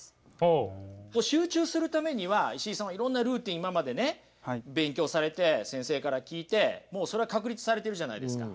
集中するためには石井さんはいろんなルーチン今まで勉強されて先生から聞いてもうそれは確立されてるじゃないですか。